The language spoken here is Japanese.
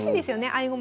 合駒。